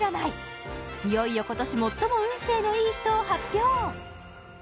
いよいよ今年最も運勢のいい人を発表！